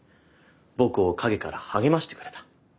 僕を陰から励ましてくれた。